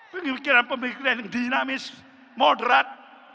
pemikiran pemikiran yang dinamis moderat